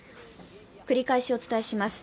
繰り返しお伝えします。